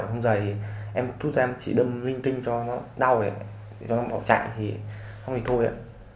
không rời thì em thúc ra em chỉ đâm linh tinh cho nó đau rồi cho nó bỏ chạy thì không thì thôi ạ